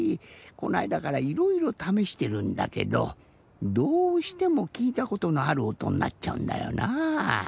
このあいだからいろいろためしてるんだけどどうしてもきいたことのあるおとになっちゃうんだよなぁ。